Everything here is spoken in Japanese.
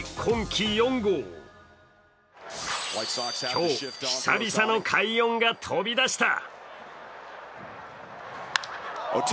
今日、久々の快音が飛び出した。